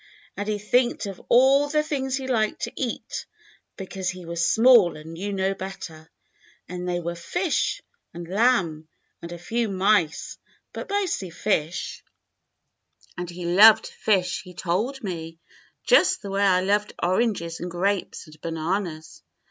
And he thinked of all the things he liked to eat, because he was small and knew no better, and they were fish and lamb, and a few mice, but mostly fish, and he loved fish he told 106 THE BLUE AUNT me, just the way I loved oranges and grapes and bananas.